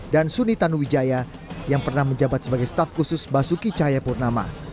dan suni tanuwijaya yang pernah menjabat sebagai staf khusus basuki cahayapurnama